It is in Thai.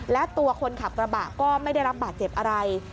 และตัวคนขับกระบะก็ไม่ได้รับบาดเจ็บอะไร